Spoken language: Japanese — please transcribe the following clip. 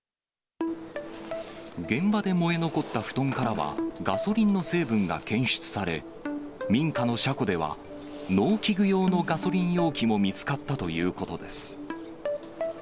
現場で燃え残った布団からは、ガソリンの成分が検出され、民家の車庫では、農機具用のガソリン容器も見つかったということです。